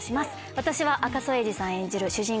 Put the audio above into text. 私は赤楚衛二さん演じる主人公